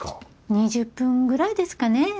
２０分くらいですかね。